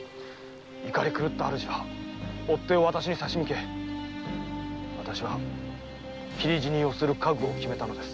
怒った主は追っ手を差し向けわたしは斬り死にをする覚悟を決めたのです。